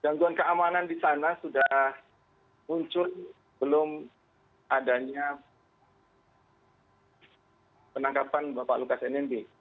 gangguan keamanan di sana sudah muncul belum adanya penangkapan bapak lukas nmb